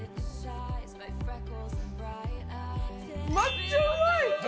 まっちゃうまい。